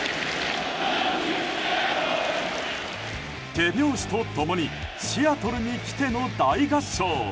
手拍子と共に「シアトルに来て」の大合唱。